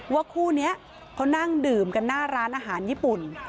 คู่นี้เขานั่งดื่มกันหน้าร้านอาหารญี่ปุ่น